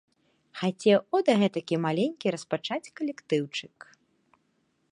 Хацеў от гэтакі маленькі распачаць калектыўчык.